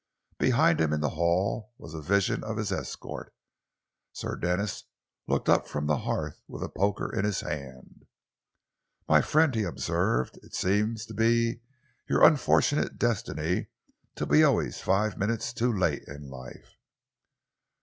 Behind him in the hall was a vision of his escort. Sir Denis looked up from the hearth with a poker in his hand. "My friend," he observed, "it seems to be your unfortunate destiny to be always five minutes too late in life."